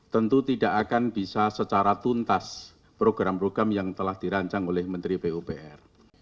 tentu tidak akan bisa secara tuntas program program yang telah dirancang oleh menteri pupr